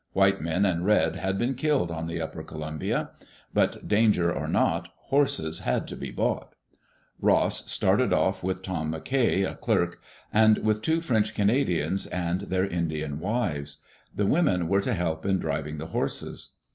White men and red had been killed on the upper Columbia. But danger or not, horses had to be bought. Ross started off with Tom McKay, a clerk; and with two French Canadians and their Indian wives. The women were to help in driving the horses.